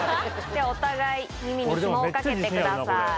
ではお互い耳にひもを掛けてください。